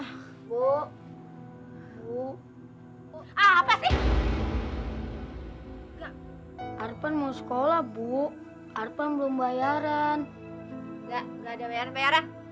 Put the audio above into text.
nggak enggak ada bayaran bayaran